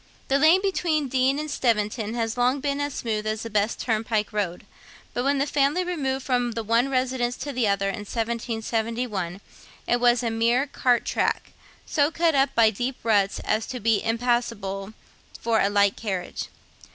The lane between Deane and Steventon has long been as smooth as the best turnpike road; but when the family removed from the one residence to the other in 1771, it was a mere cart track, so cut up by deep ruts as to be impassable for a light carriage.